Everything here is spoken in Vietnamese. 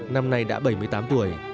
năm nay đã bảy mươi tám tuổi